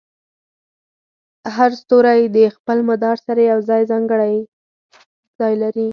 هر ستوری د خپل مدار سره یو ځانګړی ځای لري.